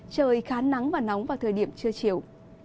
trời khá nắng và nóng vào thời điểm trưa chiều